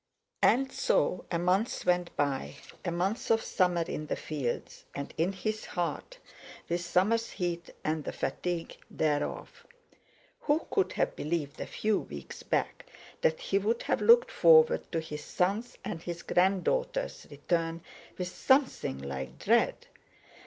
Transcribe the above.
And so a month went by—a month of summer in the fields, and in his heart, with summer's heat and the fatigue thereof. Who could have believed a few weeks back that he would have looked forward to his son's and his grand daughter's return with something like dread!